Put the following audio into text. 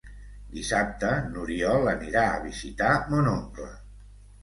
Dissabte n'Oriol anirà a visitar mon oncle.